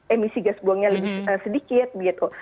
emisi gas buangnya lebih sedikit begitu